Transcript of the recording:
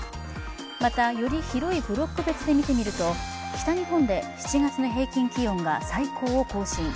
また、より広いブロック別で見てみると北日本で７月の平均気温が最高を更新。